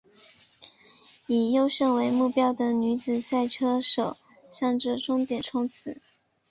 以优胜为目标的女子赛车手向着终点冲刺！